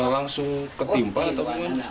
langsung ketimpa atau gimana